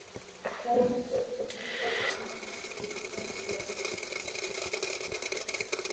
সমুদ্র সৈকতে যৌনতার উৎস বর্ণনা করতে বেশ কয়েকটি গল্প প্রচলিত আছে।